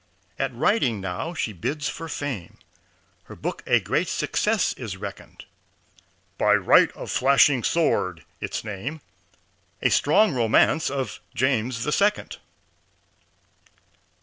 At writing now she bids for fame Her book a great success is reckoned. "By Right of Flashing Sword," its name, A strong romance of James the Second.